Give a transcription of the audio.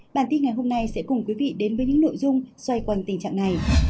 bản tin ngày hôm nay sẽ cùng quý vị đến với những nội dung xoay quanh tình trạng này